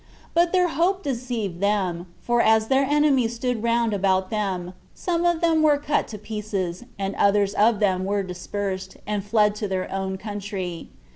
But their hope deceived them; for as their enemies stood round about them, some of them were cut to pieces, and others of them were dispersed, and fled to their own country.